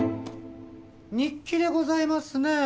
日記でございますね。